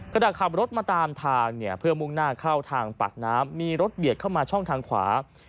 ขณะขับรถมาตามทางเนี่ยเพื่อมุ่งหน้าเข้าทางปากน้ำมีรถเบียดเข้ามาช่องทางขวา